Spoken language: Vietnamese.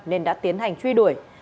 nên đã tiến hành truy đuổi